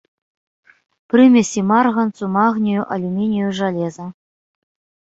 Прымесі марганцу, магнію, алюмінію, жалеза.